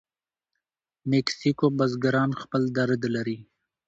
مکسیکو بزګران خپل درد لري.